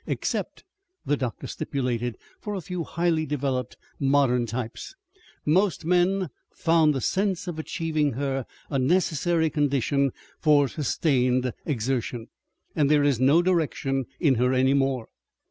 Except," the doctor stipulated, "for a few highly developed modern types, most men found the sense of achieving her a necessary condition for sustained exertion. And there is no direction in her any more.